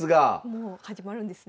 もう始まるんですね。